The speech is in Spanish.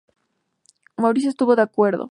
Maurice estuvo de acuerdo.